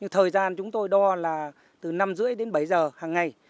thời gian chúng tôi đo là từ năm h ba mươi đến bảy h hàng ngày